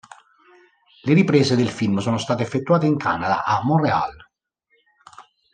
Le riprese del film sono state effettuate in Canada, a Montréal.